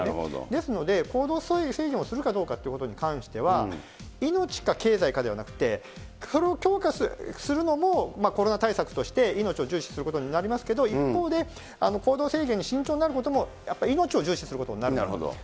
ですので、行動制限をすることに関しては、命か経済かではなくて、それを強化するのもコロナ対策として今、重視することになりますけど、一方で、行動制限に慎重になることも、やっぱり命を重視することになると思うんですよ。